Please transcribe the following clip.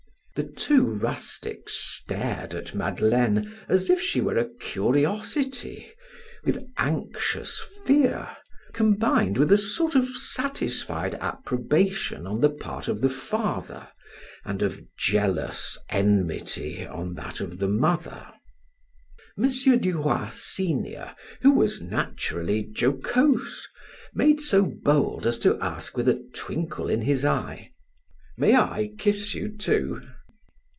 The two rustics stared at Madeleine as if she were a curiosity, with anxious fear, combined with a sort of satisfied approbation on the part of the father and of jealous enmity on that of the mother. M. Duroy, senior, who was naturally jocose, made so bold as to ask with a twinkle in his eye: "May I kiss you too?"